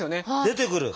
出てくる！